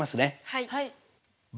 はい！